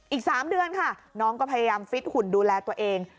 อีก๓เดือนค่ะน้องก็พยายามฟิตหุ่นดูแลตัวเอง